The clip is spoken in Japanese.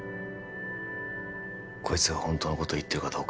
こいつが本当のこと言ってるかどうか